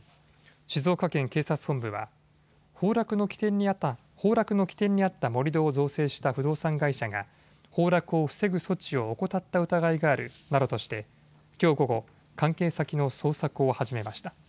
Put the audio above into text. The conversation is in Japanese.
静岡県警察本部は崩落の起点にあった盛り土を造成した不動産会社が崩落を防ぐ措置を怠った疑いがあるなどとしてきょう午後、関係先の捜索を始めました。